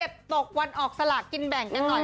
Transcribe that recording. ตกวันออกสลากกินแบ่งกันหน่อย